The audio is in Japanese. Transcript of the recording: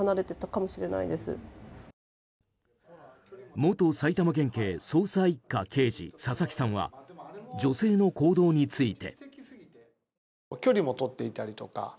元埼玉県警捜査１課刑事佐々木さんは女性の行動について。